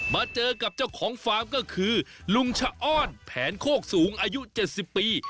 มาเจอกับเจ้าของฟาร์มก็คือลุงชะอ้อนแผนโคกสูงอายุ๗๐ปี